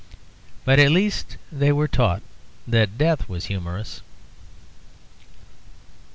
But at least they were taught that death was humorous.